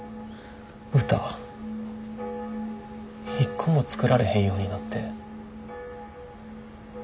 歌一個も作られへんようになって。